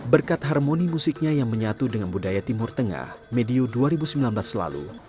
berkat harmoni musiknya yang menyatu dengan budaya timur tengah medio dua ribu sembilan belas lalu